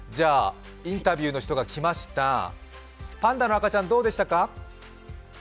インタビューの人が来ました、パンダの赤ちゃんどうでしたか？